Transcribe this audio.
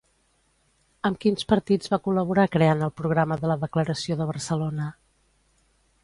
Amb quins partits va col·laborar creant el programa de la Declaració de Barcelona?